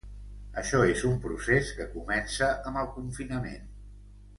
Això és un procés que comença amb el confinament.